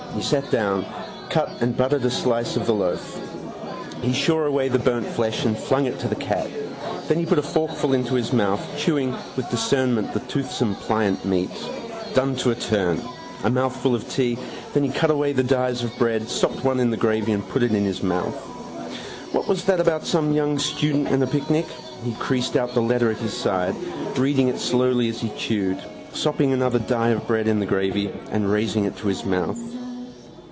He sat down, cut and buttered a slice of the loaf. He shore away the burnt flesh and flung it to the cat. Then he put a forkful into his mouth, chewing with discernment the toothsome pliant meat. Done to a turn. A mouthful of tea. Then he cut away dies of bread, sopped one in the gravy and put it in his mouth. What was that about some young student and a picnic? He creased out the letter at his side, reading it slowly as he chewed, sopping another die of bread in the gravy and raising it to his mouth.